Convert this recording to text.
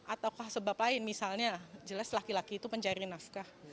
ataukah sebab lain misalnya jelas laki laki itu pencari nafkah